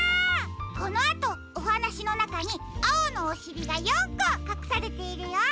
このあとおはなしのなかにあおのおしりが４こかくされているよ。